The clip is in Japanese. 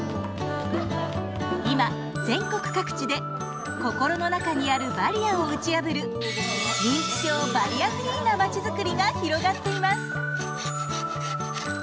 今全国各地で心の中にあるバリアを打ち破る認知症バリアフリーなまちづくりが広がっています。